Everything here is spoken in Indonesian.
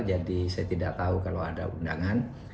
jadi saya tidak tahu kalau ada undangan